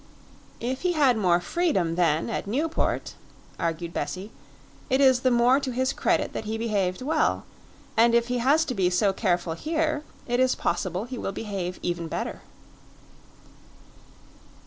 "If he had more freedom, then, at Newport," argued Bessie, "it is the more to his credit that he behaved well; and if he has to be so careful here, it is possible he will behave even better."